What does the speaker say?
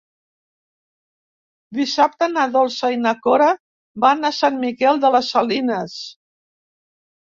Dissabte na Dolça i na Cora van a Sant Miquel de les Salines.